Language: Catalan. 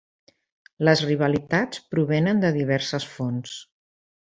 Les rivalitats provenen de diverses fonts.